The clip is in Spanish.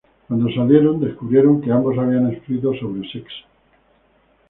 Cuando salieron, descubrieron que ambos habían escrito sobre sexo.